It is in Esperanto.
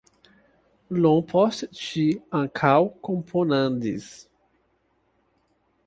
Iom poste ŝi ankaŭ komponadis.